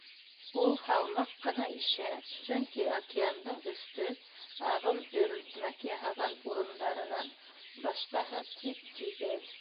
Ул һалмаҡ ҡына ишә, сөнки океандың өҫтө, ағым өйрөлтмәк яһаған урындарынан башҡаһы, тип-тигеҙ.